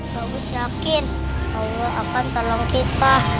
bagus yakin allah akan tolong pipa